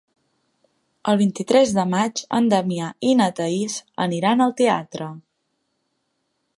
El vint-i-tres de maig en Damià i na Thaís aniran al teatre.